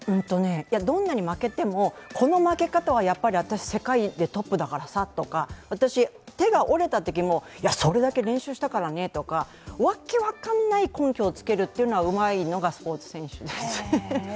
どんなに負けても、この負け方は私、世界でトップだからさとか、手が折れたときも、それだけ練習したからねとか、わけ分からない根拠をつけるのがうまいのがスポーツ選手です。